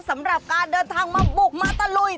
สำหรับการเดินทางมาบุกมาตะลุย